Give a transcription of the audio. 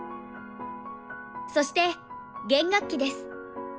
そして弦楽器です。